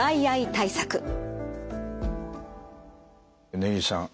根岸さん